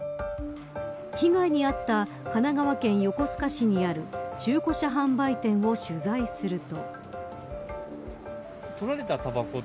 被害に遭った神奈川県横須賀市にある中古車販売店を取材すると。